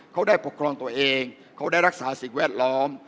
เขาได้ปกครองตัวเองเขาได้รักษาสิ่งแวดล้อม